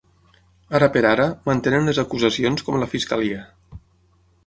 Ara per ara, mantenen les acusacions com la fiscalia.